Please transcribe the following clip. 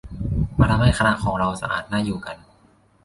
"มาทำให้คณะของเรา สะอาดน่าอยู่กัน"